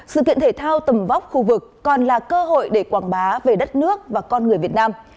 sự kiện thể thao tầm vóc khu vực còn là cơ hội để quảng bá về đất nước và con người việt nam